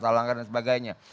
salah langkah dan sebagainya